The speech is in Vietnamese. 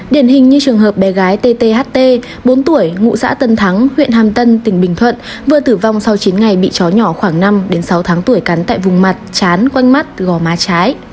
điển hình như trường hợp bé gái tth bốn tuổi ngụ xã tân thắng huyện hàm tân tỉnh bình thuận vừa tử vong sau chín ngày bị chó nhỏ khoảng năm sáu tháng tuổi cắn tại vùng mặt chán quanh mắt gò má trái